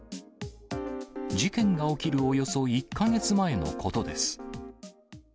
事件が起きるおよそ１か月前のことです。